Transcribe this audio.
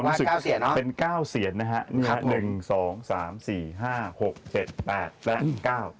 อันนี้คือปู่สีสุทธงเป็นอย่างนี้หรอภูผา